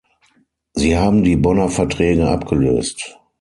Sie haben die Bonner Verträge abgelöst.